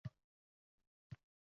Ming la’nat!» – dediyu chiqmoqchi edi